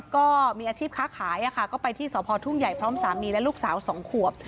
ก็มีอาชีพค้าขายก็ไปที่สพทุ่งใหญ่พร้อมสามีและลูกสาว๒ขวบ